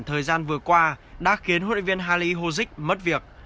thời gian vừa qua đã khiến huấn luyện viên hali hozik mất việc